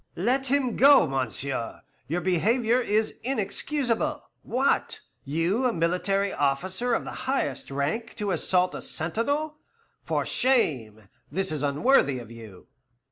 "Let him go, monsieur; your behaviour is inexcusable. What! you, a military officer of the highest rank, to assault a sentinel! For shame! This is unworthy of you!"